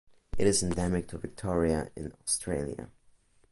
It is endemic to Victoria in Australia.